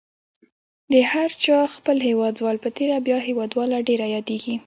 د هر چا خپل هیوادوال په تېره بیا هیوادواله ډېره یادیږي.